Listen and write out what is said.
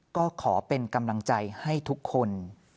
ก็ขอเป็นกำลังใจให้ทุกคน